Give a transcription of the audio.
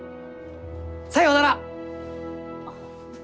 さようなら！